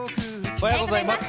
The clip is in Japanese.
おはようございます。